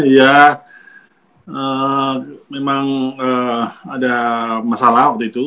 ya memang ada masalah waktu itu